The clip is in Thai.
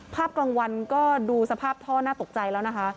กลางวันก็ดูสภาพท่อน่าตกใจแล้วนะคะ